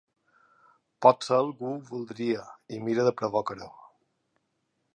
Potser algú ho voldria i mira de provocar-ho.